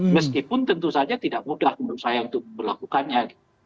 meskipun tentu saja tidak mudah menurut saya untuk melakukannya